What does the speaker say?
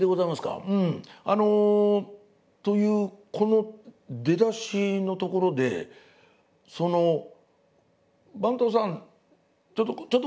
「うんあの」というこの出だしのところで「番頭さんちょっとちょっとこっち来てくれるかい」。